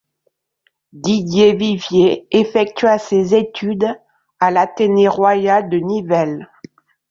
Didier Viviers effectua ses études à l'Athénée royal de Nivelles.